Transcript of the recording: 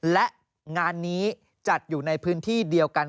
และงานนี้จัดอยู่ในพื้นที่เดียวกัน